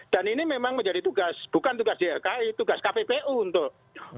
dan ini memang menjadi tugas bukan tugas ylki tugas kppu untuk membuktikan ini